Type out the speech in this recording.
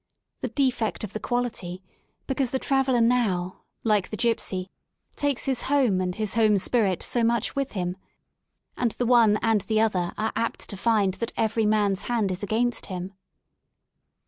The defect of the quality, because the tra veller now, like the gipsy, takes his home and his home spirit so much with him. And the one and the other are apt to find that every man's hand is against him.